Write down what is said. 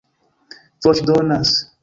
voĉdonas